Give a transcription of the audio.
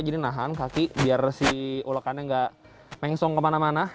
jadi nahan kaki biar si ulekannya nggak mengesong kemana mana